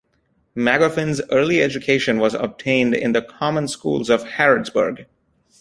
Magoffin's early education was obtained in the common schools of Harrodsburg.